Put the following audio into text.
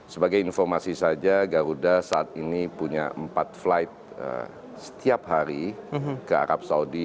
sebagai informasi saja garuda saat ini punya empat flight setiap hari ke arab saudi